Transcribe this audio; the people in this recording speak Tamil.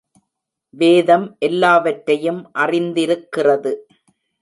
வேதம் எல்லாவற்றையும் அறிந்திருக்கிறது.